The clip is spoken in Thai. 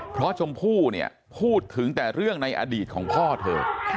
เพราะชมพู่เนี่ยพูดถึงแต่เรื่องในอดีตของพ่อเธอ